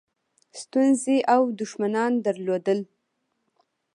ستونزې او دښمنان درلودل.